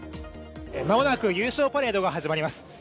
間もなく優勝パレードが始まります。